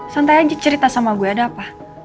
santai aja cerita sama gue ada apa